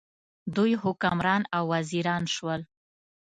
دوی حکمران او وزیران شول.